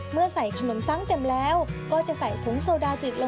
เมื่อใส่ขนมซ้ำเต็มแล้วก็จะใส่ถุงโซดาจิตลงไป